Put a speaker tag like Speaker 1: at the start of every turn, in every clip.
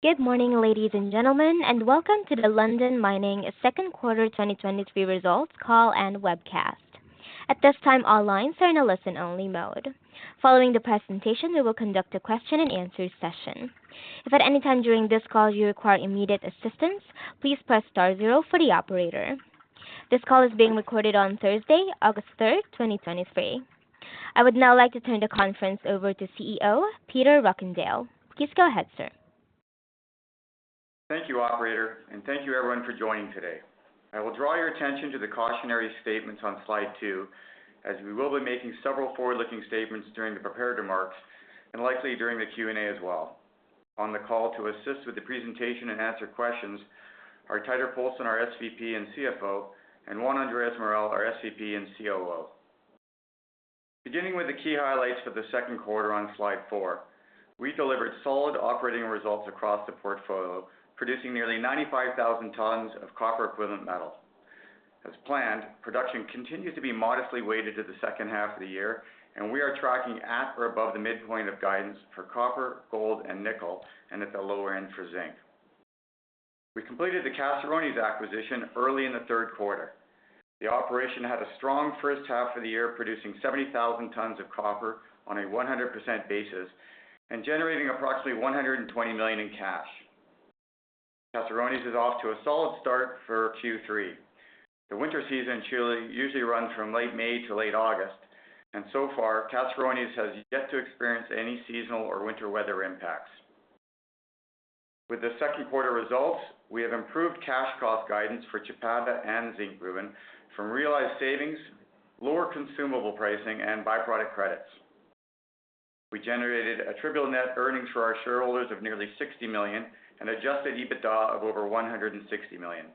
Speaker 1: Good morning, ladies and gentlemen, and welcome to the Lundin Mining Second Quarter 2023 Results Call and Webcast. At this time, all lines are in a listen-only mode. Following the presentation, we will conduct a question-and-answer session. If at any time during this call you require immediate assistance, please press star zero for the operator. This call is being recorded on Thursday, August 3, 2023. I would now like to turn the conference over to CEO, Peter Rockandel. Please go ahead, sir.
Speaker 2: Thank you, operator, thank you everyone for joining today. I will draw your attention to the cautionary statements on slide two, as we will be making several forward-looking statements during the prepared remarks and likely during the Q&A as well. On the call to assist with the presentation and answer questions are Teitur Poulsen, our SVP and CFO, and Juan Andrés Morel, our SVP and COO. Beginning with the key highlights for the second quarter on slide four, we delivered solid operating results across the portfolio, producing nearly 95,000 tons of copper-equivalent metal. As planned, production continues to be modestly weighted to the second half of the year, and we are tracking at or above the midpoint of guidance for copper, gold, and nickel, and at the lower end for zinc. We completed the Caserones acquisition early in the third quarter. The operation had a strong first half of the year, producing 70,000 tons of copper on a 100% basis and generating approximately 120 million in cash. Caserones is off to a solid start for Q3. The winter season in Chile usually runs from late May to late August. So far, Caserones has yet to experience any seasonal or winter weather impacts. With the second quarter results, we have improved cash cost guidance for Chapada and Zinkgruvan from realized savings, lower consumable pricing, and byproduct credits. We generated attributable net earnings for our shareholders of nearly 60 million and adjusted EBITDA of over 160 million.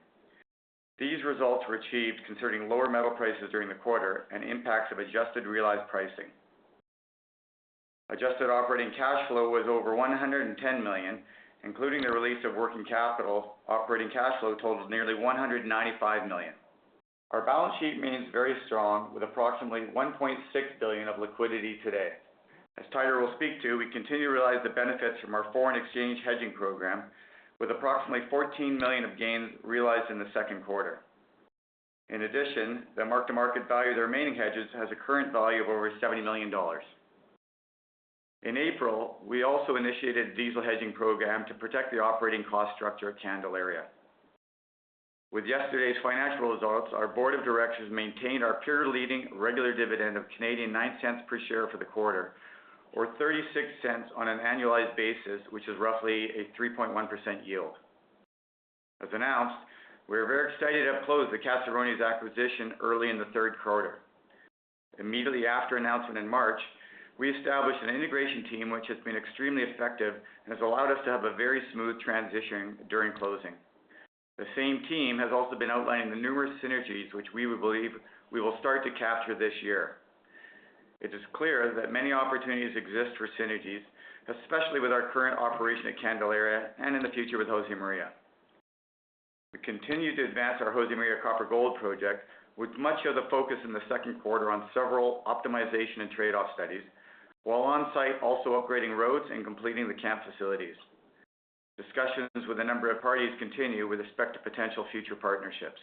Speaker 2: These results were achieved considering lower metal prices during the quarter and impacts of adjusted realized pricing. Adjusted operating cash flow was over 110 million, including the release of working capital. Operating cash flow total is nearly 195 million. Our balance sheet remains very strong, with approximately 1.6 billion of liquidity today. As Teitur will speak to, we continue to realize the benefits from our foreign exchange hedging program, with approximately 14 million of gains realized in the second quarter. In addition, the mark-to-market value of the remaining hedges has a current value of over $70 million. In April, we also initiated a diesel hedging program to protect the operating cost structure of Candelaria. With yesterday's financial results, our board of directors maintained our peer-leading regular dividend of 0.09 per share for the quarter, or 0.36 on an annualized basis, which is roughly a 3.1% yield. As announced, we are very excited to have closed the Caserones acquisition early in the third quarter. Immediately after the announcement in March, we established an integration team, which has been extremely effective and has allowed us to have a very smooth transition during closing. The same team has also been outlining the numerous synergies, which we believe we will start to capture this year. It is clear that many opportunities exist for synergies, especially with our current operation at Candelaria and in the future with Josemaria. We continue to advance our Josemaria copper gold project, with much of the focus in the second quarter on several optimization and trade-off studies, while on-site, also upgrading roads and completing the camp facilities. Discussions with a number of parties continue with respect to potential future partnerships.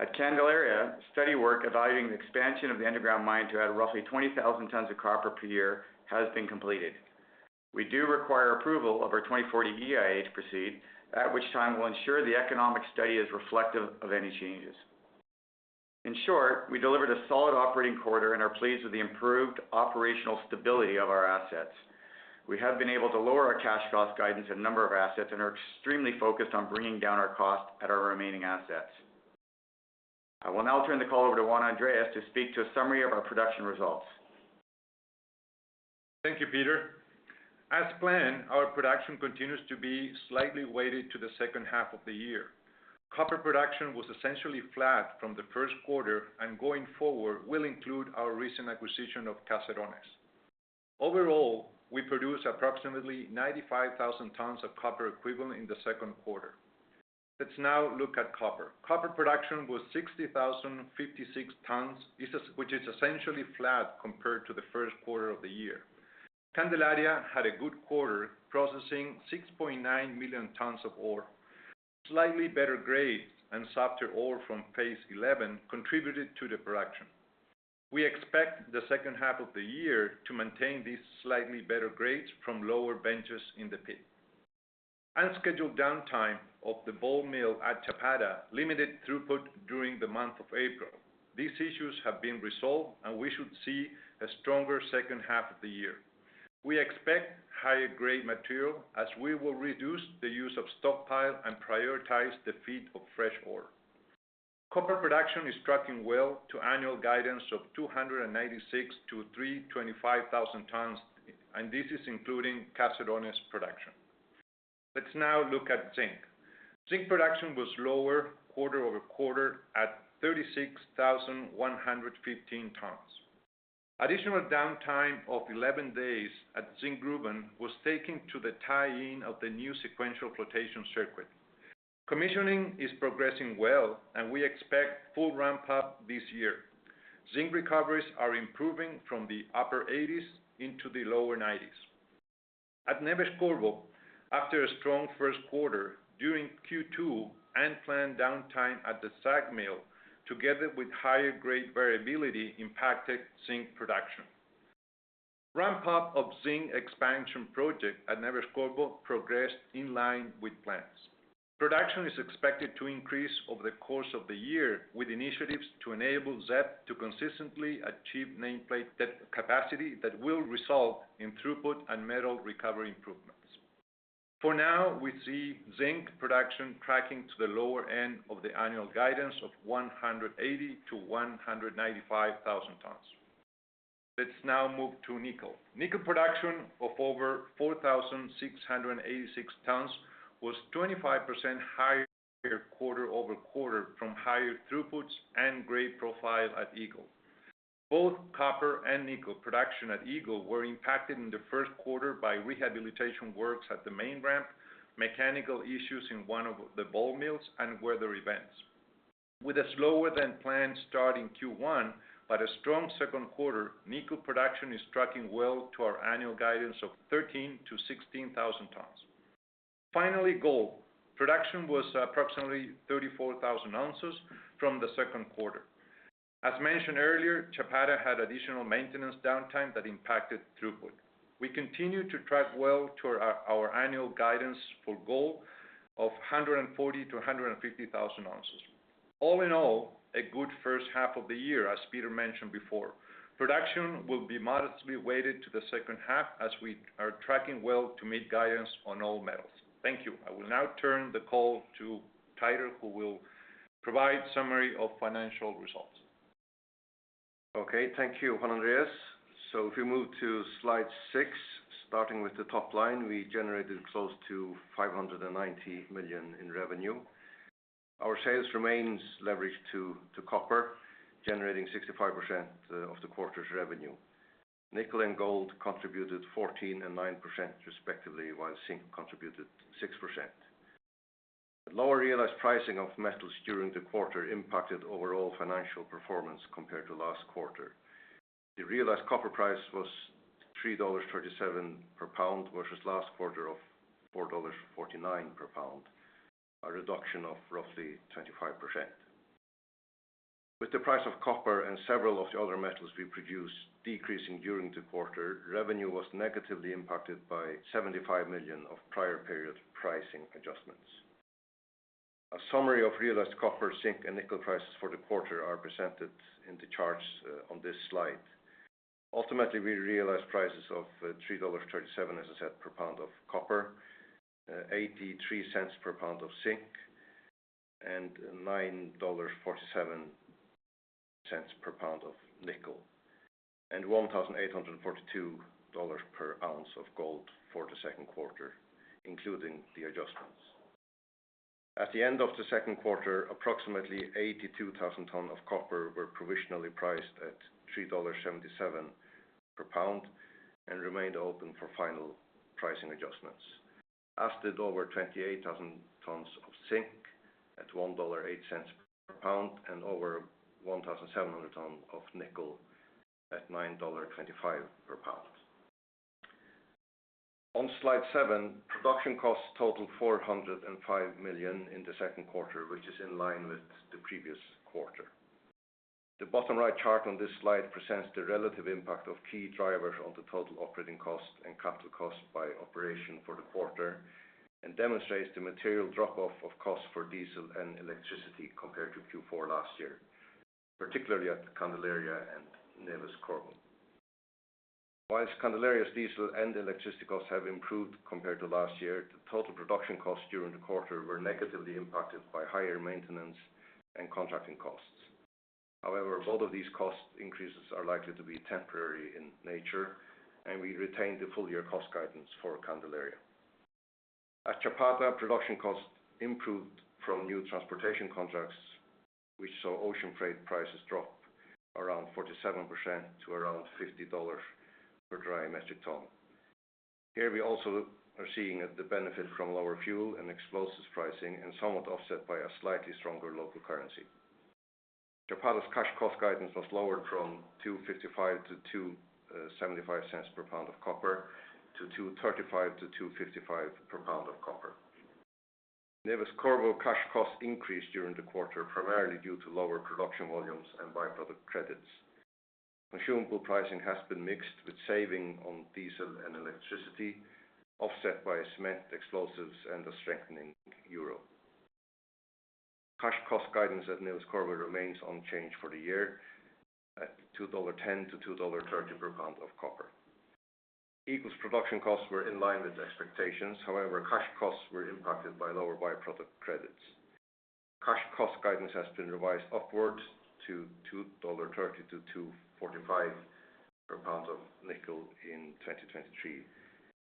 Speaker 2: At Candelaria, study work evaluating the expansion of the underground mine to add roughly 20,000 tons of copper per year has been completed. We do require approval of our 2040 EIA to proceed, at which time we'll ensure the economic study is reflective of any changes. In short, we delivered a solid operating quarter and are pleased with the improved operational stability of our assets. We have been able to lower our cash cost guidance at a number of assets and are extremely focused on bringing down our cost at our remaining assets. I will now turn the call over to Juan Andrés to speak to a summary of our production results.
Speaker 3: Thank you, Peter. As planned, our production continues to be slightly weighted to the second half of the year. Copper production was essentially flat from the first quarter, and going forward, will include our recent acquisition of Caserones. Overall, we produced approximately 95,000 tons of copper equivalent in the second quarter. Let's now look at copper. Copper production was 60,056 tons, which is essentially flat compared to the first quarter of the year. Candelaria had a good quarter, processing 6.9 million tons of ore. Slightly better grades and softer ore from phase XI contributed to the production. We expect the second half of the year to maintain these slightly better grades from lower benches in the pit. Unscheduled downtime of the ball mill at Chapada limited throughput during the month of April. These issues have been resolved, and we should see a stronger second half of the year. We expect higher-grade material as we will reduce the use of stockpile and prioritize the feed of fresh ore. Copper production is tracking well to annual guidance of 296,000-325,000 tons, and this is including Caserones production. Let's now look at zinc. Zinc production was lower quarter-over-quarter at 36,115 tons. Additional downtime of 11 days at Zinkgruvan was taken to the tie-in of the new sequential flotation circuit. Commissioning is progressing well, and we expect full ramp-up this year. Zinc recoveries are improving from the upper 80s into the lower 90s. At Neves-Corvo, after a strong first quarter, during Q2, unplanned downtime at the SAG mill, together with higher grade variability, impacted zinc production. Ramp-up of zinc expansion project at Neves-Corvo progressed in line with plans. Production is expected to increase over the course of the year, with initiatives to enable ZEP to consistently achieve nameplate capacity that will result in throughput and metal recovery improvements. For now, we see zinc production tracking to the lower end of the annual guidance of 180,000-195,000 tons. Let's now move to nickel. Nickel production of over 4,686 tons was 25% higher quarter-over-quarter from higher throughputs and grade profile at Eagle. Both copper and nickel production at Eagle were impacted in the first quarter by rehabilitation works at the main ramp, mechanical issues in one of the ball mills, and weather events. With a slower than planned start in Q1, but a strong second quarter, nickel production is tracking well to our annual guidance of 13,000-16,000 tons. Finally, gold. Production was approximately 34,000 oz from the second quarter. As mentioned earlier, Chapada had additional maintenance downtime that impacted throughput. We continue to track well to our annual guidance for gold of 140,000-150,000 oz. All in all, a good first half of the year, as Peter mentioned before. Production will be modestly weighted to the second half, as we are tracking well to meet guidance on all metals. Thank you. I will now turn the call to Teitur, who will provide summary of financial results.
Speaker 4: Okay, thank you, Juan Andrés. If you move to slide six, starting with the top line, we generated close to 590 million in revenue. Our sales remains leveraged to copper, generating 65% of the quarter's revenue. nickel and gold contributed 14% and 9%, respectively, while zinc contributed 6%. Lower realized pricing of metals during the quarter impacted overall financial performance compared to last quarter. The realized copper price was 3.37 dollars per pound, versus last quarter of 4.49 dollars per pound, a reduction of roughly 25%. With the price of copper and several of the other metals we produce decreasing during the quarter, revenue was negatively impacted by 75 million of prior period pricing adjustments. A summary of realized copper, zinc, and nickel prices for the quarter are presented in the charts on this slide. Ultimately, we realized prices of 3.37 dollars, as I said, per pound of copper, 0.83 per pound of zinc, and 9.47 dollars per pound of nickel, and 1,842 dollars per ounce of gold for the second quarter, including the adjustments. At the end of the second quarter, approximately 82,000 ton of copper were provisionally priced at 3.77 dollar per pound and remained open for final pricing adjustments. As did over 28,000 tons of zinc at CAD 1.08 dollar per pound, and over 1,700 ton of nickel at 9.25 dollar per pound. On slide seven, production costs total 405 million in the second quarter, which is in line with the previous quarter. The bottom right chart on this slide presents the relative impact of key drivers on the total operating cost and capital cost by operation for the quarter and demonstrates the material drop-off of costs for diesel and electricity compared to Q4 last year, particularly at Candelaria and Neves-Corvo. Whilst Candelaria's diesel and electricity costs have improved compared to last year, the total production costs during the quarter were negatively impacted by higher maintenance and contracting costs. However, both of these cost increases are likely to be temporary in nature, and we retain the full year cost guidance for Candelaria. At Chapada, production costs improved from new transportation contracts, which saw ocean freight prices drop around 47% to around 50 dollars per dry metric ton. Here we also are seeing the benefit from lower fuel and explosives pricing and somewhat offset by a slightly stronger local currency. Chapada's cash cost guidance was lowered from 2.55- 2.75 per pound of copper to 2.35- 2.55 per pound of copper. Neves-Corvo cash costs increased during the quarter, primarily due to lower production volumes and byproduct credits. Consumable pricing has been mixed, with savings on diesel and electricity offset by cement explosives and the strengthening euro. Cash cost guidance at Neves-Corvo remains unchanged for the year at 2.10 dollar- 2.30 dollar per pound of copper. Eagle's production costs were in line with expectations. However, cash costs were impacted by lower byproduct credits. Cash cost guidance has been revised upwards to 2.30 dollar- 2.45 per pound of nickel in 2023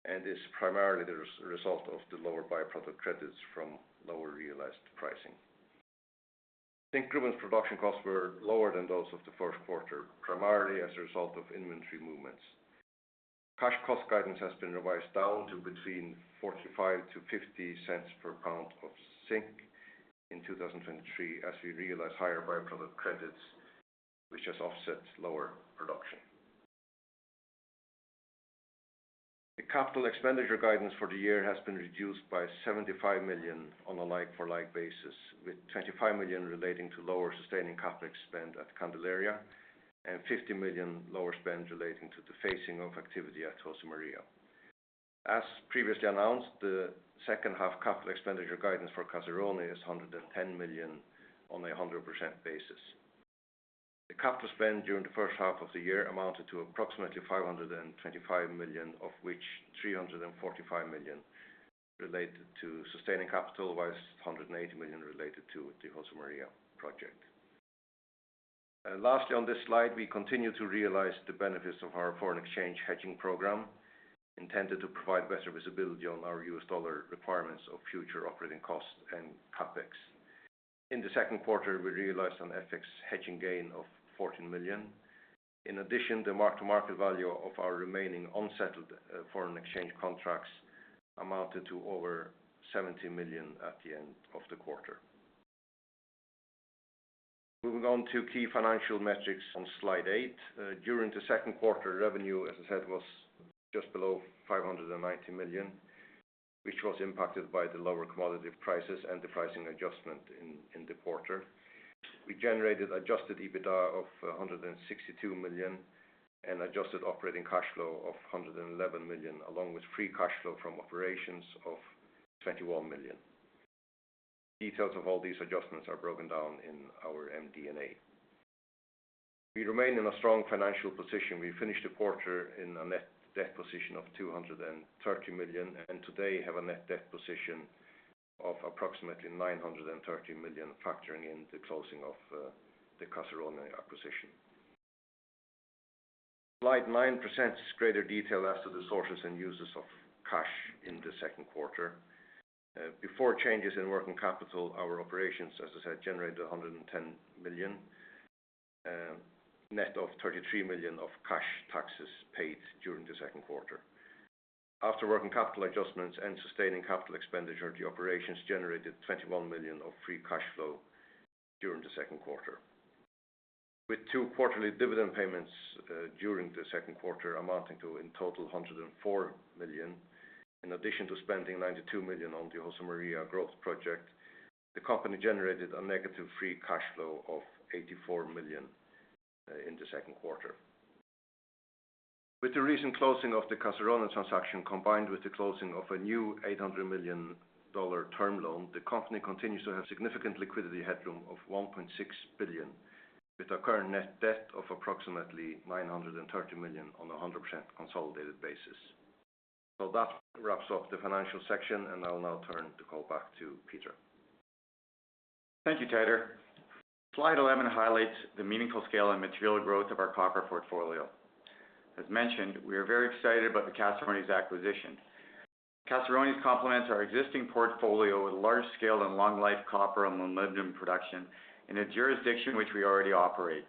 Speaker 4: and is primarily the result of the lower byproduct credits from lower realized pricing. Zinkgruvan's production costs were lower than those of the first quarter, primarily as a result of inventory movements. Cash cost guidance has been revised down to between 0.45- 0.50 per pound of zinc in 2023, as we realize higher byproduct credits, which has offset lower production. The capital expenditure guidance for the year has been reduced by 75 million on a like-for-like basis, with 25 million relating to lower sustaining capital spend at Candelaria, and 50 million lower spend relating to the phasing of activity at Josemaria. As previously announced, the second half capital expenditure guidance for Caserones is 110 million on a 100% basis. The capital spend during the first half of the year amounted to approximately 525 million, of which 345 million related to sustaining capital, whilst 180 million related to the Josemaria project. Lastly, on this slide, we continue to realize the benefits of our foreign exchange hedging program, intended to provide better visibility on our U.S. dollar requirements of future operating costs and CapEx. In the second quarter, we realized an FX hedging gain of 14 million. In addition, the mark-to-market value of our remaining unsettled foreign exchange contracts amounted to over 70 million at the end of the quarter. Moving on to key financial metrics on slide eight. During the second quarter, revenue, as I said, was just below 590 million, which was impacted by the lower commodity prices and the pricing adjustment in, in the quarter. We generated adjusted EBITDA of 162 million and adjusted operating cash flow of 111 million, along with free cash flow from operations of 21 million. Details of all these adjustments are broken down in our MD&A. We remain in a strong financial position. We finished the quarter in a net debt position of 230 million, and today have a net debt position of approximately 930 million, factoring in the closing of the Caserones acquisition. Slide nine presents greater detail as to the sources and uses of cash in the second quarter. Before changes in working capital, our operations, as I said, generated 110 million net of 33 million of cash taxes paid during the second quarter. After working capital adjustments and sustaining capital expenditure, the operations generated 21 million of free cash flow during the second quarter. With two quarterly dividend payments during the second quarter, amounting to, in total, 104 million, in addition to spending 92 million on the Josemaria growth project, the company generated a negative free cash flow of 84 million in the second quarter. With the recent closing of the Caserones transaction, combined with the closing of a new 800 million dollar term loan, the company continues to have significant liquidity headroom of 1.6 billion, with a current net debt of approximately 930 million on a 100% consolidated basis. That wraps up the financial section, and I'll now turn the call back to Peter.
Speaker 2: Thank you, Teitur. Slide 11 highlights the meaningful scale and material growth of our copper portfolio. As mentioned, we are very excited about the Caserones acquisition. Caserones complements our existing portfolio with large scale and long life copper and molybdenum production in a jurisdiction which we already operate.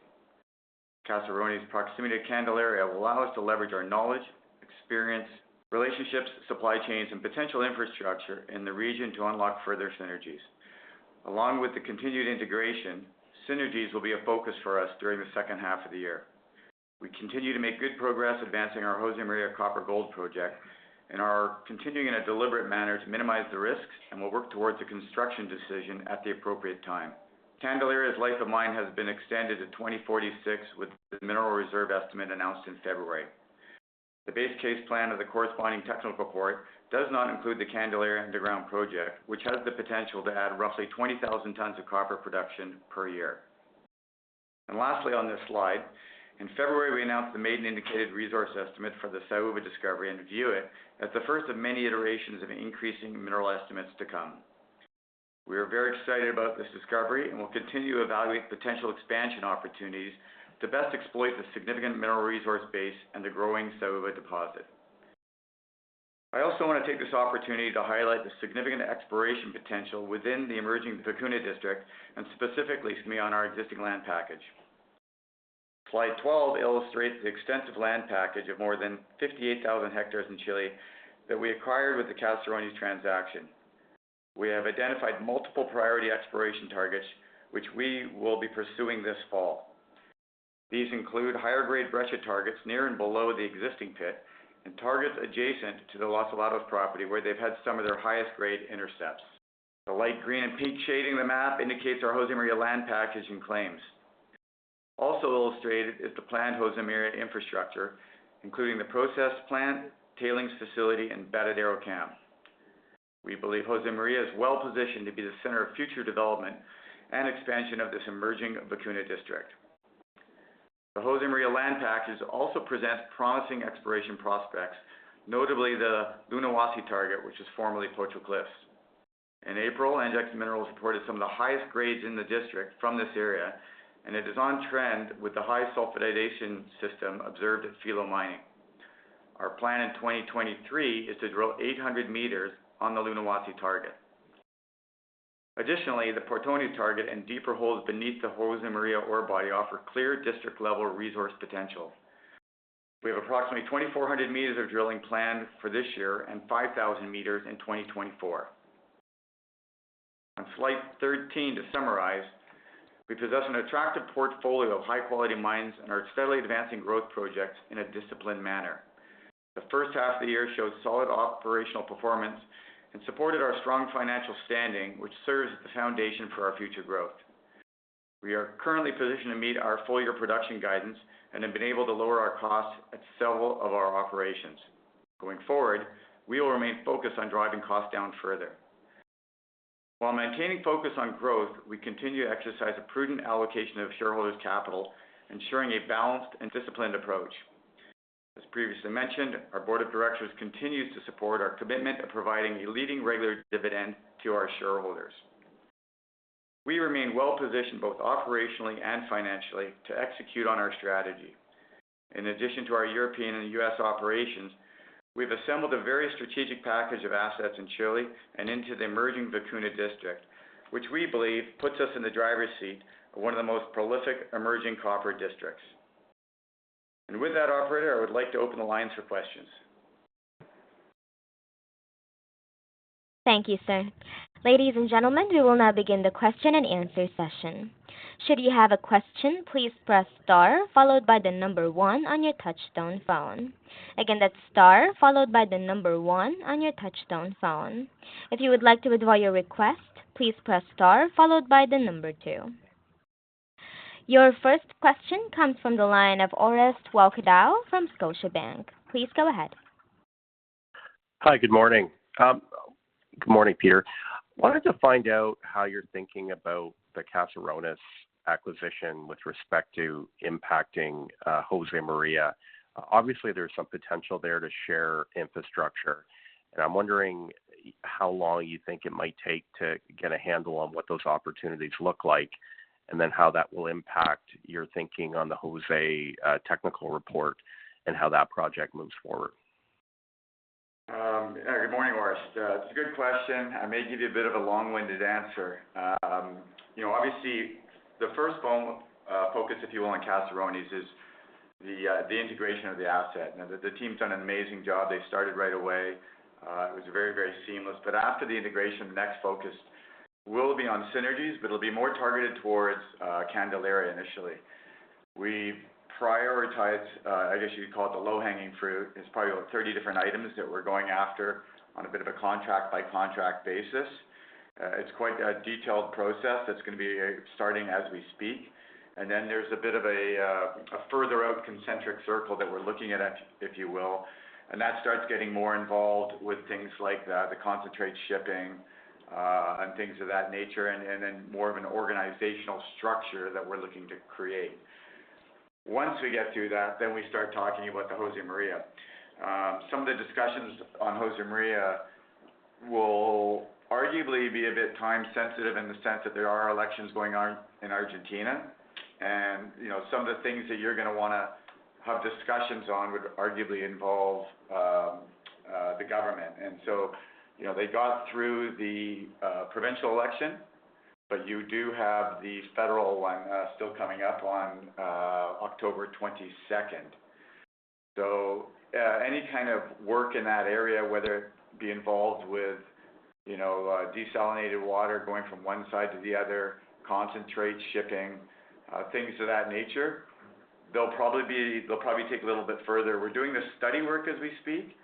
Speaker 2: Caserones' proximity to Candelaria will allow us to leverage our knowledge, experience, relationships, supply chains, and potential infrastructure in the region to unlock further synergies. Along with the continued integration, synergies will be a focus for us during the second half of the year. We continue to make good progress advancing our Josemaria copper gold project and are continuing in a deliberate manner to minimize the risks, and will work towards a construction decision at the appropriate time. Candelaria's life of mine has been extended to 2046, with the mineral reserve estimate announced in February. The base case plan of the corresponding technical report does not include the Candelaria underground project, which has the potential to add roughly 20,000 tons of copper production per year. Lastly, on this slide, in February, we announced the maiden indicated resource estimate for the Saúva discovery and view it as the first of many iterations of increasing mineral estimates to come. We are very excited about this discovery, and will continue to evaluate potential expansion opportunities to best exploit the significant mineral resource base and the growing Saúva deposit. I also want to take this opportunity to highlight the significant exploration potential within the emerging Vicuña District, and specifically to me, on our existing land package. Slide 12 illustrates the extensive land package of more than 58,000 hectares in Chile, that we acquired with the Caserones transaction. We have identified multiple priority exploration targets, which we will be pursuing this fall. These include higher grade breccia targets near and below the existing pit, and targets adjacent to the Los [Palatos] property, where they've had some of their highest-grade intercepts. The light green and pink shading the map indicates our Josemaria land package and claims. Also illustrated is the planned Josemaria infrastructure, including the process plant, tailings facility, and Batidero camp. We believe Josemaria is well-positioned to be the center of future development and expansion of this emerging Vicuña District. The Josemaria land package also presents promising exploration prospects, notably the Lunahuasi target, which is formerly Pocho Cliffs. In April, Andex Minerals reported some of the highest grades in the district from this area, and it is on trend with the high sulfidation system observed at Filo Mining. Our plan in 2023 is to drill 800 meters on the Lunahuasi target. Additionally, the Portones target and deeper holes beneath the Josemaria ore body offer clear district level resource potential. We have approximately 2,400 meters of drilling planned for this year and 5,000 meters in 2024. On slide 13, to summarize, we possess an attractive portfolio of high-quality mines and are steadily advancing growth projects in a disciplined manner. The first half of the year showed solid operational performance and supported our strong financial standing, which serves as the foundation for our future growth. We are currently positioned to meet our full year production guidance and have been able to lower our costs at several of our operations. Going forward, we will remain focused on driving costs down further. While maintaining focus on growth, we continue to exercise a prudent allocation of shareholders' capital, ensuring a balanced and disciplined approach. As previously mentioned, our board of directors continues to support our commitment of providing a leading regular dividend to our shareholders. We remain well positioned, both operationally and financially, to execute on our strategy. In addition to our European and U.S. operations, we've assembled a very strategic package of assets in Chile and into the emerging Vicuña District, which we believe puts us in the driver's seat of one of the most prolific emerging copper districts. With that, Operator, I would like to open the lines for questions.
Speaker 1: Thank you, sir. Ladies and gentlemen, we will now begin the question-and-answer session. Should you have a question, please press star followed by one on your touch-tone phone. Again, that's star followed by one on your touch-tone phone. If you would like to withdraw your request, please press star followed by two. Your first question comes from the line of Orest Wowkodaw from Scotiabank. Please go ahead.
Speaker 5: Hi, good morning. Good morning, Peter. Wanted to find out how you're thinking about the Caserones acquisition with respect to impacting Josemaria. Obviously, there's some potential there to share infrastructure, and I'm wondering how long you think it might take to get a handle on what those opportunities look like, and then how that will impact your thinking on the Josemaria technical report and how that project moves forward?
Speaker 2: Good morning, Orest. It's a good question. I may give you a bit of a long-winded answer. You know, obviously, the first focus, if you will, on Caserones, is the integration of the asset. The team's done an amazing job. They started right away. It was very, very seamless. After the integration, the next focus will be on synergies, but it'll be more targeted towards Candelaria initially. We prioritized, I guess you'd call it the low-hanging fruit. It's probably about 30 different items that we're going after on a bit of a contract-by-contract basis. It's quite a detailed process that's going to be starting as we speak, and then there's a bit of a further out concentric circle that we're looking at, if you will, and that starts getting more involved with things like the concentrate shipping, and things of that nature, and then more of an organizational structure that we're looking to create. Once we get through that, then we start talking about the Josemaria. Some of the discussions on Josemaria will arguably be a bit time sensitive in the sense that there are elections going on in Argentina. You know, some of the things that you're going to want to have discussions on would arguably involve the government. So, you know, they got through the provincial election, but you do have the federal one still coming up on October 22nd. Any kind of work in that area, whether it be involved with, you know, desalinated water going from one side to the other, concentrate shipping, things of that nature, they'll probably take a little bit further. We're doing the study work as we speak,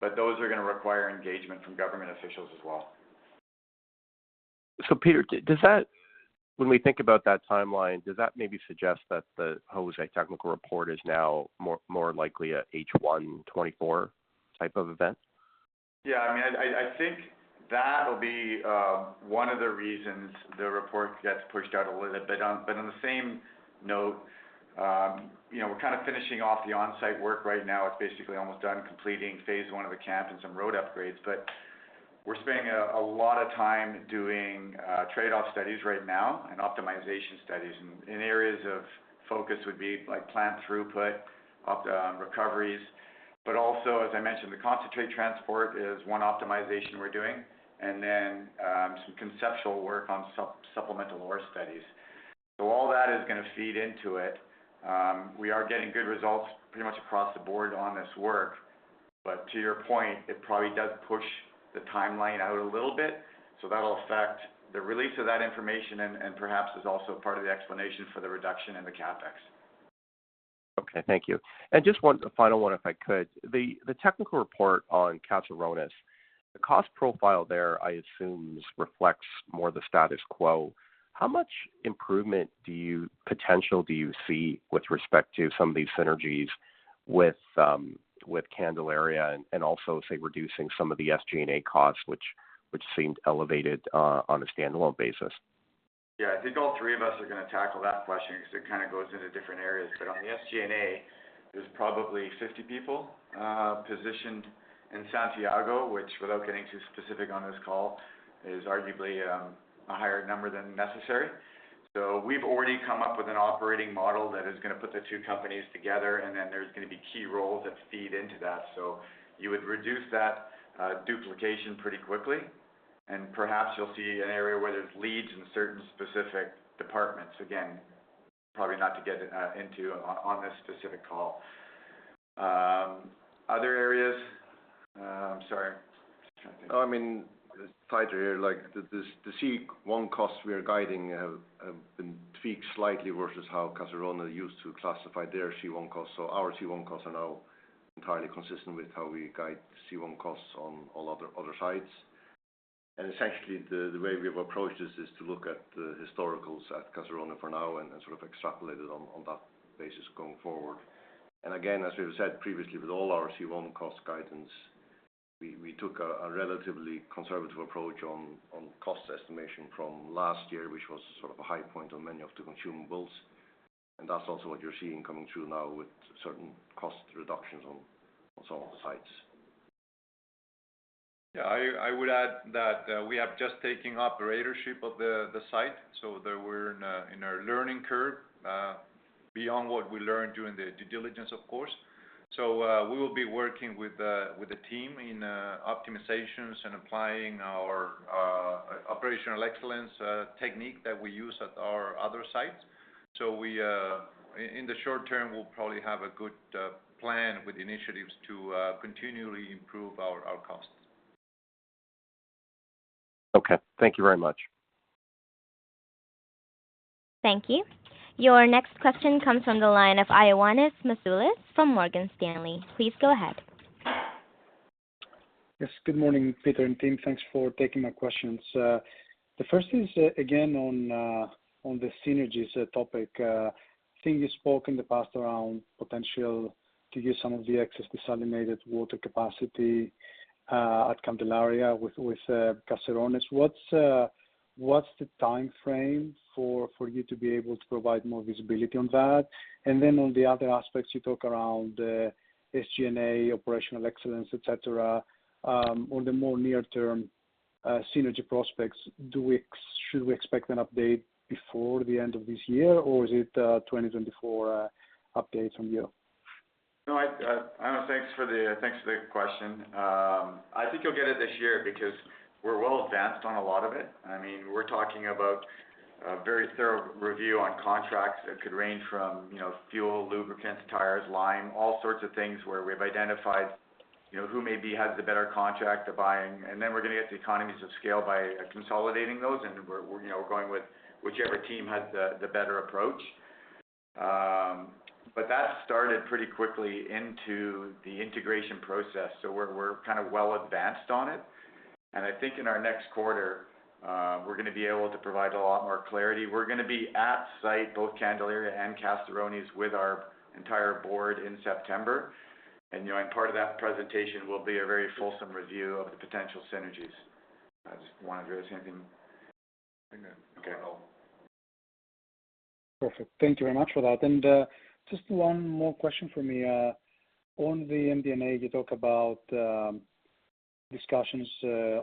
Speaker 2: but those are going to require engagement from government officials as well.
Speaker 5: Peter, when we think about that timeline, does that maybe suggest that the Jose technical report is now more, more likely a H1 2024 type of event?
Speaker 2: Yeah, I mean, I, I think that'll be one of the reasons the report gets pushed out a little bit. On the same note, you know, we're kind of finishing off the on-site work right now. It's basically almost done, completing phase one of the camp and some road upgrades. We're spending a lot of time doing trade-off studies right now and optimization studies. Areas of focus would be like plant throughput, up recoveries, but also, as I mentioned, the concentrate transport is one optimization we're doing, and then some conceptual work on supplemental ore studies. All that is going to feed into it. We are getting good results pretty much across the board on this work. To your point, it probably does push the timeline out a little bit, so that'll affect the release of that information and, and perhaps is also part of the explanation for the reduction in the CapEx.
Speaker 5: Okay, thank you. Just one final one, if I could. The technical report on Caserones, the cost profile there, I assume, reflects more the status quo. How much improvement do you, potential do you see with respect to some of these synergies with Candelaria and also, say, reducing some of the SG&A costs, which seemed elevated on a standalone basis?
Speaker 2: Yeah, I think all three of us are going to tackle that question because it kind of goes into different areas. On the SG&A, there's probably 50 people positioned in Santiago, which without getting too specific on this call, is arguably a higher number than necessary. We've already come up with an operating model that is gonna put the two companies together, and then there's gonna be key roles that feed into that. You would reduce that duplication pretty quickly, and perhaps you'll see an area where there's leads in certain specific departments. Again, probably not to get into on this specific call. Other areas. I'm sorry.
Speaker 4: Oh, I mean, it's tighter here, like, the C1 costs we are guiding have been tweaked slightly versus how Caserones used to classify their C1 costs. Our C1 costs are now entirely consistent with how we guide C1 costs on other sites. Essentially, the way we've approached this is to look at the historicals at Caserones for now and sort of extrapolate it on that basis going forward. Again, as we've said previously, with all our C1 cost guidance, we took a relatively conservative approach on cost estimation from last year, which was sort of a high point on many of the consumables. That's also what you're seeing coming through now with certain cost reductions on some of the sites.
Speaker 3: Yeah, I, I would add that we have just taking operatorship of the site, so that we're in our learning curve beyond what we learned during the due diligence, of course. We will be working with the team in optimizations and applying our operational excellence technique that we use at our other sites. We, in the short term, will probably have a good plan with initiatives to continually improve our costs.
Speaker 5: Okay, thank you very much.
Speaker 1: Thank you. Your next question comes from the line of Ioannis Masvoulas from Morgan Stanley. Please go ahead.
Speaker 6: Yes, good morning, Peter and team. Thanks for taking my questions. The first is, again, on the synergies topic. I think you spoke in the past around potential to use some of the excess desalinated water capacity at Candelaria with, with Caserones. What's the time frame for you to be able to provide more visibility on that? Then on the other aspects you talk around SG&A, operational excellence, et cetera, on the more near-term synergy prospects, should we expect an update before the end of this year, or is it 2024 update from you?
Speaker 2: No, I, Ioannis, thanks for the, thanks for the question. I think you'll get it this year because we're well advanced on a lot of it. I mean, we're talking about a very thorough review on contracts that could range from, you know, fuel, lubricants, tires, lime, all sorts of things where we've identified, you know, who maybe has the better contract to buying. Then we're gonna get to economies of scale by consolidating those, and we're, we're, you know, going with whichever team has the, the better approach. That started pretty quickly into the integration process, so we're, we're kind of well advanced on it. I think in our next quarter, we're gonna be able to provide a lot more clarity. We're gonna be at site, both Candelaria and Caserones, with our entire board in September. You know, and part of that presentation will be a very fulsome review of the potential synergies. I just want to address anything?
Speaker 4: Yeah.
Speaker 2: Okay.
Speaker 6: Perfect. Thank you very much for that. And, just one more question for me. On the MD&A, you talk about discussions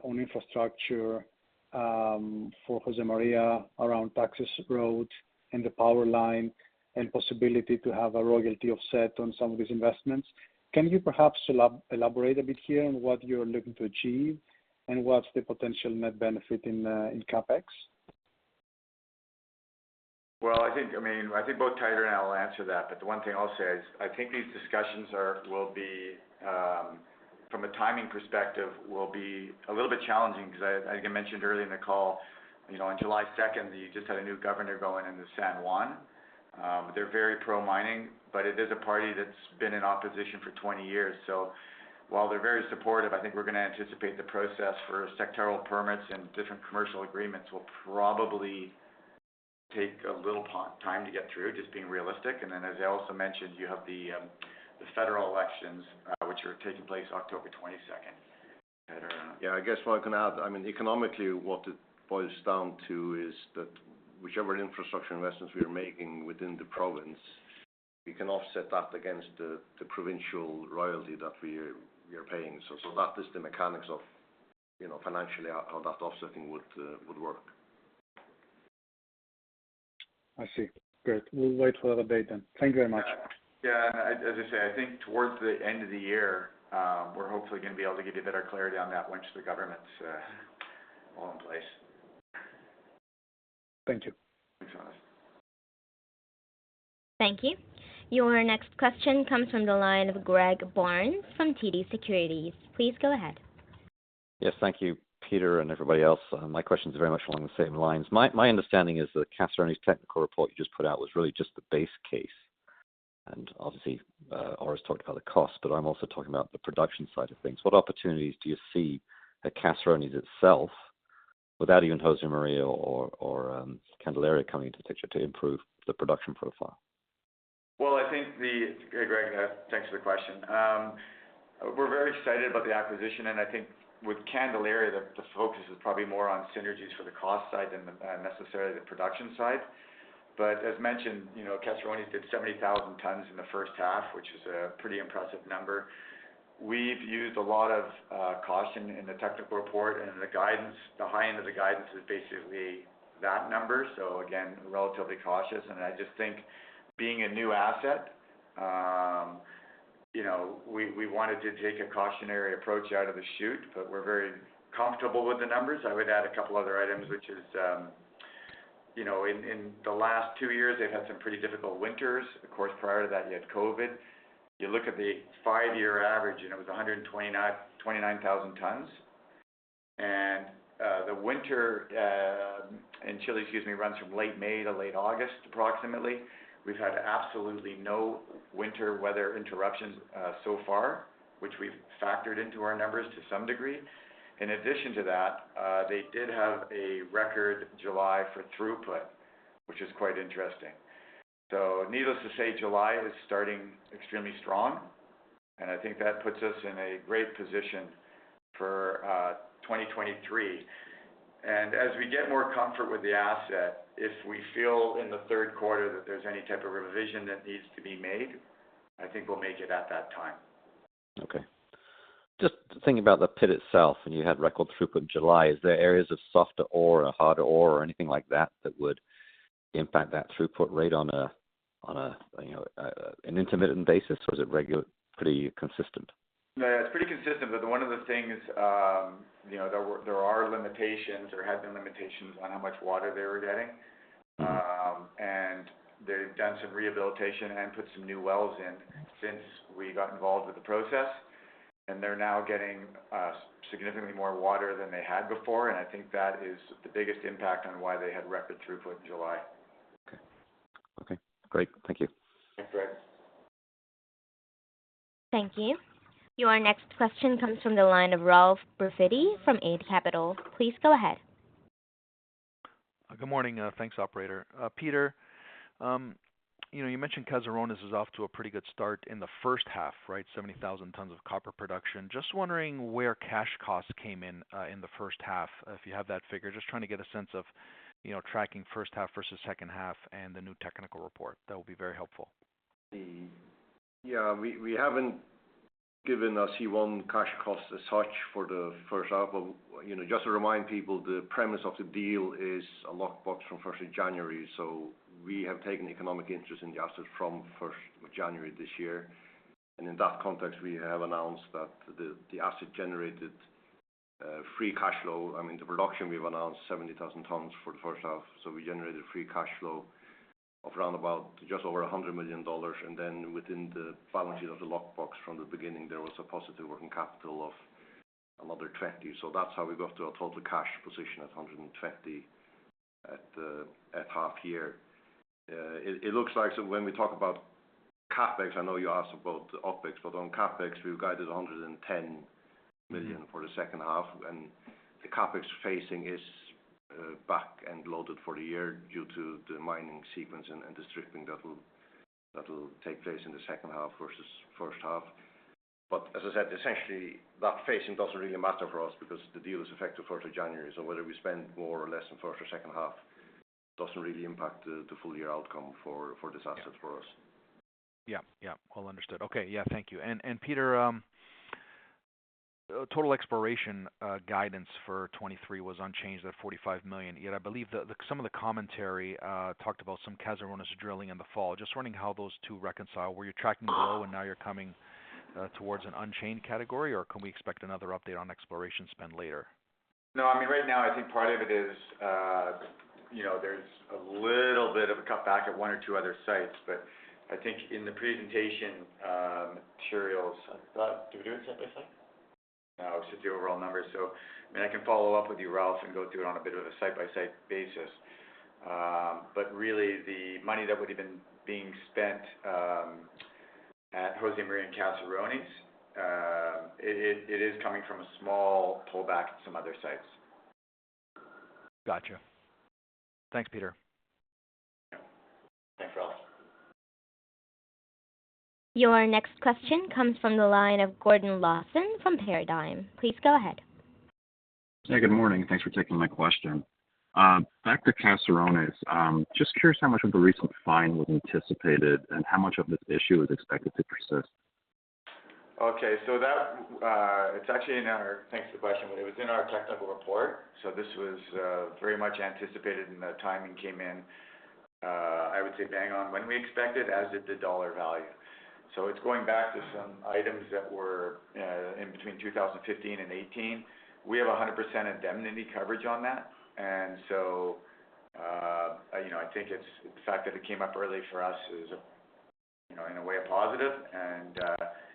Speaker 6: on infrastructure for Josemaria, around access road and the power line, and possibility to have a royalty offset on some of these investments. Can you perhaps elaborate a bit here on what you're looking to achieve, and what's the potential net benefit in CapEx?
Speaker 2: Well, I think, I mean, I think both Teitur and I will answer that. The one thing I'll say is, I think these discussions are, will be, from a timing perspective, will be a little bit challenging because I, I think I mentioned earlier in the call, you know, on July 2nd, you just had a new governor go in into San Juan. They're very pro-mining. It is a party that's been in opposition for 20 years. While they're very supportive, I think we're gonna anticipate the process for sectoral permits and different commercial agreements will probably take a little time, time to get through, just being realistic. As I also mentioned, you have the federal elections, which are taking place October 22nd.
Speaker 4: Yeah, I guess what I can add, I mean, economically, what it boils down to is that whichever infrastructure investments we are making within the province, we can offset that against the, the provincial royalty that we are, we are paying. That is the mechanics of, you know, financially, how that offsetting would work.
Speaker 6: I see. Great. We'll wait for that update then. Thank you very much.
Speaker 2: Yeah, as, as I say, I think towards the end of the year, we're hopefully gonna be able to give you better clarity on that once the government's all in place.
Speaker 6: Thank you.
Speaker 2: Thanks, Ioannis.
Speaker 1: Thank you. Your next question comes from the line of Greg Barnes from TD Securities. Please go ahead.
Speaker 7: Yes, thank you, Peter and everybody else. My question is very much along the same lines. My, my understanding is that Caserones technical report you just put out was really just the base case. Obviously, Aura's talked about the cost, but I'm also talking about the production side of things. What opportunities do you see at Caserones itself, without even Josemaria or, or, Candelaria coming into the picture, to improve the production profile?
Speaker 2: Well, I think Greg, thanks for the question. We're very excited about the acquisition. I think with Candelaria, the focus is probably more on synergies for the cost side than necessarily the production side. As mentioned, you know, Caserones did 70,000 tons in the first half, which is a pretty impressive number. We've used a lot of caution in the technical report and in the guidance. The high end of the guidance is basically that number, so again, relatively cautious. I just think being a new asset, you know, we wanted to take a cautionary approach out of the chute, but we're very comfortable with the numbers. I would add a couple other items, which is, you know, in the last two years, they've had some pretty difficult winters. Of course, prior to that, you had COVID. You look at the five-year average, it was 129,000 tons. The winter in Chile, excuse me, runs from late May to late August, approximately. We've had absolutely no winter weather interruptions so far, which we've factored into our numbers to some degree. In addition to that, they did have a record July for throughput, which is quite interesting. Needless to say, July is starting extremely strong, and I think that puts us in a great position for 2023. As we get more comfort with the asset, if we feel in the third quarter that there's any type of revision that needs to be made, I think we'll make it at that time.
Speaker 7: Okay. Just thinking about the pit itself, and you had record throughput in July, is there areas of softer ore or harder ore or anything like that, that would impact that throughput rate on a, you know, an intermittent basis, or is it pretty consistent?
Speaker 2: Yeah, it's pretty consistent, but one of the things, you know, there are limitations or had been limitations on how much water they were getting They've done some rehabilitation and put some new wells in since we got involved with the process. They're now getting significantly more water than they had before. I think that is the biggest impact on why they had record throughput in July.
Speaker 7: Okay. Okay, great. Thank you.
Speaker 2: Thanks, Greg.
Speaker 1: Thank you. Your next question comes from the line of Ralph Profiti from Eight Capital. Please go ahead.
Speaker 8: Good morning, thanks, operator. Peter, you know, you mentioned Caserones is off to a pretty good start in the first half, right? 70,000 tons of copper production. Just wondering where cash costs came in, in the first half, if you have that figure. Just trying to get a sense of, you know, tracking first half versus second half and the new technical report. That would be very helpful.
Speaker 4: Yeah, we, we haven't given a C1 cash cost as such for the first half, but, you know, just to remind people, the premise of the deal is a lockbox from first of January. We have taken economic interest in the asset from first of January this year, and in that context, we have announced that the, the asset generated free cash flow. I mean, the production, we've announced 70,000 tons for the first half, we generated free cash flow of around about just over 100 million dollars. Within the balances of the lockbox from the beginning, there was a positive working capital of another [30]. That's how we got to a total cash position of [CAD 130] at the, at half year. It, it looks like, when we talk about CapEx, I know you asked about OpEx, but on CapEx, we've guided 110 million for the second half, the CapEx facing is back-end loaded for the year due to the mining sequence and, and distributing that will, that will take place in the second half versus first half. As I said, essentially, that phasing doesn't really matter for us because the deal is effective January 1. Whether we spend more or less in first or second half, doesn't really impact the, the full year outcome for, for this asset for us.
Speaker 8: Yeah, yeah. Well, understood. Okay. Yeah, thank you. Peter, total exploration guidance for 2023 was unchanged at 45 million, yet I believe the, the some of the commentary, talked about some Caserones drilling in the fall. Just wondering how those two reconcile. Were you tracking low and now you're coming towards an unchanged category, or can we expect another update on exploration spend later?
Speaker 2: No, I mean, right now, I think part of it is, you know, there's a little bit of a cutback at one or two other sites, but I think in the presentation, materials, I thought, did we do it site by site? No, it's just the overall numbers. I mean, I can follow up with you, Ralph, and go through it on a bit of a site-by-site basis. Really, the money that would have been being spent, at Josemaria and Caserones, it, it, it is coming from a small pullback at some other sites.
Speaker 8: Gotcha. Thanks, Peter.
Speaker 2: Yeah. Thanks, Ralph.
Speaker 1: Your next question comes from the line of Gordon Lawson from Paradigm. Please go ahead.
Speaker 9: Hey, good morning, and thanks for taking my question. Back to Caserones, just curious how much of the recent fine was anticipated and how much of this issue is expected to persist?
Speaker 2: It's actually in our thanks for the question. It was in our technical report. This was very much anticipated, the timing came in, I would say, bang on, when we expected, as did the dollar value. It's going back to some items that were in between 2015 and 2018. We have a 100% indemnity coverage on that, you know, I think it's the fact that it came up early for us is, you know, in a way, a positive.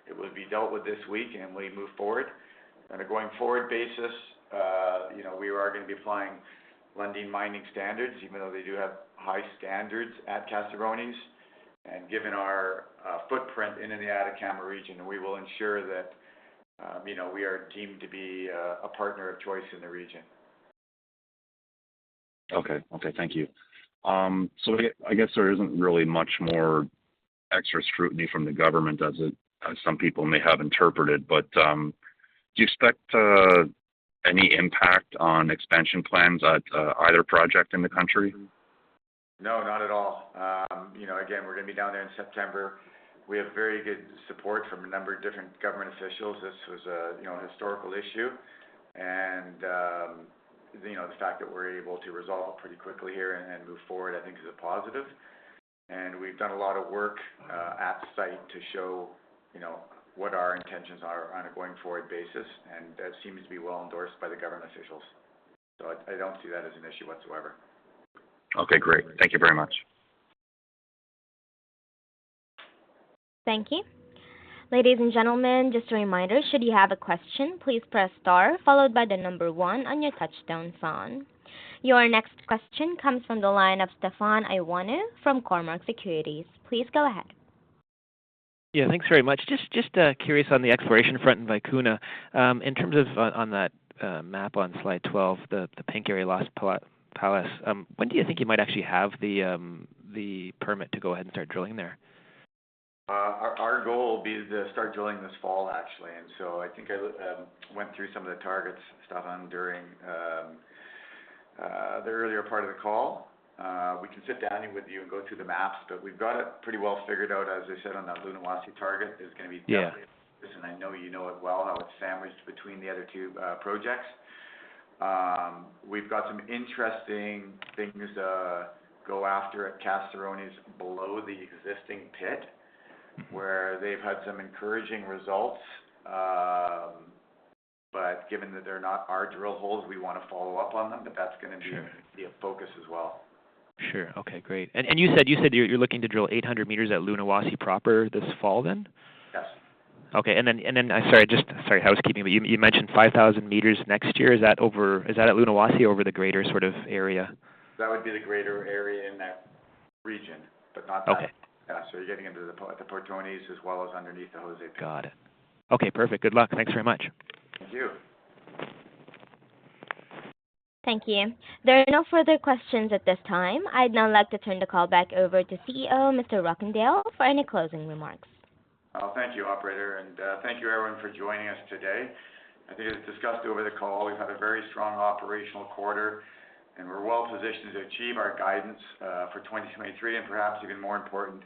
Speaker 2: It will be dealt with this week, and we move forward. On a going-forward basis, you know, we are going to be applying Lundin Mining standards, even though they do have high standards at Caserones. Given our footprint in the Atacama region, we will ensure that, you know, we are deemed to be a partner of choice in the region.
Speaker 9: Okay. Okay, thank you. I, I guess there isn't really much more extra scrutiny from the government, as it, as some people may have interpreted. Do you expect any impact on expansion plans at, either project in the country?
Speaker 2: No, not at all. You know, again, we're going to be down there in September. We have very good support from a number of different government officials. This was a, you know, historical issue. You know, the fact that we're able to resolve pretty quickly here and, and move forward, I think is a positive. We've done a lot of work at the site to show, you know, what our intentions are on a going-forward basis, and that seems to be well endorsed by the government officials. I, I don't see that as an issue whatsoever.
Speaker 9: Okay, great. Thank you very much.
Speaker 1: Thank you. Ladies and gentlemen, just a reminder, should you have a question, please press star followed by the number one on your touchtone phone. Your next question comes from the line of Stefan Ioannou from Cormark Securities. Please go ahead.
Speaker 10: Yeah, thanks very much. Just, just curious on the exploration front in Vicuña. In terms of, on, on that map on slide 12, the pink area Las Palas, when do you think you might actually have the permit to go ahead and start drilling there?
Speaker 2: Our, our goal will be to start drilling this fall, actually. So I think I went through some of the targets, Stefan, during the earlier part of the call. We can sit down with you and go through the maps, but we've got it pretty well figured out, as I said, on that Lunahuasi target.
Speaker 10: Yeah.
Speaker 2: It's going to be definitely, I know you know it well, how it's sandwiched between the other two projects. We've got some interesting things to go after at Caserones below the existing pit, where they've had some encouraging results. Given that they're not our drill holes, we want to follow up on them, that's.
Speaker 10: Sure.
Speaker 2: Going to be a focus as well.
Speaker 10: Sure. Okay, great. You said you're looking to drill 800 meters at Lunahuasi proper this fall then?
Speaker 2: Yes.
Speaker 10: Okay. Then, sorry, housekeeping, but you, you mentioned 5,000 meters next year. Is that at Lunahuasi or over the greater sort of area?
Speaker 2: That would be the greater area in that region, but not that.
Speaker 10: Okay.
Speaker 2: Yeah. you're getting into the Portones as well as underneath the Jose pit.
Speaker 10: Got it. Okay, perfect. Good luck. Thanks very much.
Speaker 2: Thank you.
Speaker 1: Thank you. There are no further questions at this time. I'd now like to turn the call back over to CEO, Mr. Rockandel, for any closing remarks.
Speaker 2: Well, thank you, operator, and thank you, everyone, for joining us today. I think as discussed over the call, we've had a very strong operational quarter and we're well positioned to achieve our guidance, for 2023, and perhaps even more important,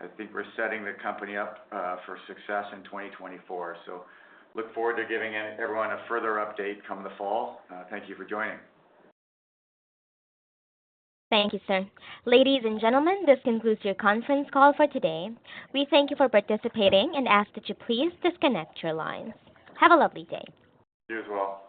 Speaker 2: I think we're setting the company up, for success in 2024. Look forward to giving everyone a further update come the fall. Thank you for joining.
Speaker 1: Thank you, sir. Ladies and gentlemen, this concludes your conference call for today. We thank you for participating and ask that you please disconnect your lines. Have a lovely day.
Speaker 2: You as well.